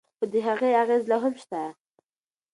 خو د هغې اغیزې لا هم شته.